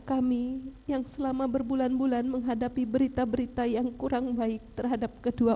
kami yang selama berbulan bulan menghadapi berita berita yang kurang baik terhadap kedua